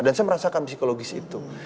dan saya merasakan psikologis itu